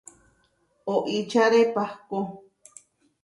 Oičare pahkó.